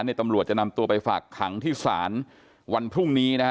ตำรวจจะนำตัวไปฝากขังที่ศาลวันพรุ่งนี้นะฮะ